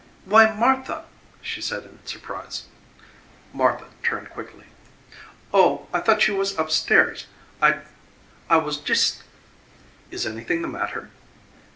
"Why, Martha!" she said in surprise. Martha turned quickly. "Oh, I thought you was up stairs. I was jist " "Is anything the matter?"